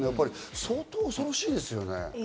相当恐ろしいですね。